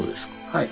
はい。